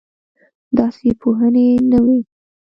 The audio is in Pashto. داسې پوهنې نه وې.